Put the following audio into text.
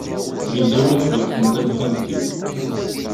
Yella win i yeṭṭfen tamkant-iw.